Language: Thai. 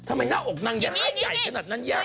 ทำไมหน้าอกนางย้ายขนาดนั้นยาก